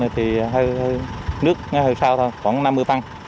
thì nước ngay hơi sâu thôi khoảng năm mươi phân